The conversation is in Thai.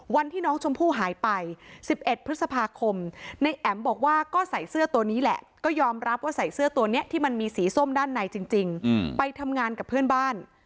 วันที่น้องชมพู่หายไป๑๑พฤษภาคมในแอ๋มบอกว่าก็ใส่เสื้อตัวนี้แหละก็ยอมรับว่าใส่เสื้อตัวนี้ที่มันมีสีส้มด้านในจริงไปทำงานกับเพื่อนบ้าน